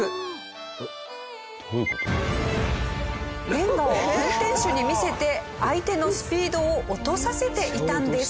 レンガを運転手に見せて相手のスピードを落とさせていたんです。